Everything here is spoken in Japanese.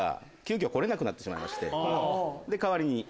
代わりに。